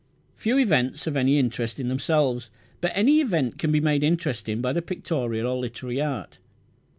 Few events have any interest in themselves, but any event can be made interesting by the pictorial or literary art.